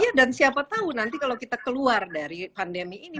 iya dan siapa tahu nanti kalau kita keluar dari pandemi ini